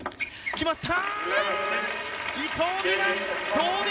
決まった！